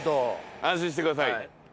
安心してください。